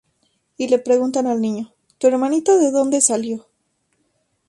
Y le pregunta al niño: -¿Tu hermanita de dónde salió?